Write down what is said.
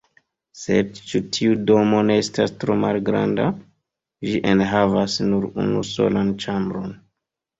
Sed ĉu tiu domo ne estas tro malgranda? Ĝi enhavas nur unu solan ĉambron.